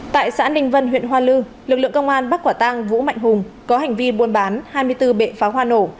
tại xã ninh vân huyện hoa lư lực lượng công an bắt quả tang vũ mạnh hùng có hành vi buôn bán hai mươi bốn bệ pháo hoa nổ